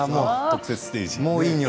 特設ステージ。